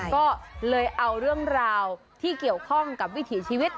ก็เลยเอาเรื่องราวที่เกี่ยวข้องกับวิถีชีวิต